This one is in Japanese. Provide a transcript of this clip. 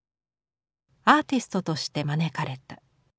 アーティストとして招かれた。